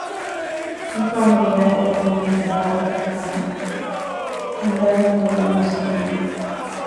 ތޫފާނުގެ ވައިގަދަވާނީ ކިހާވަރަކަށް ކަމެއް އަންދާޒާކޮށްލަންވެސް ނޭނގެ